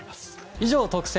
以上、特選！！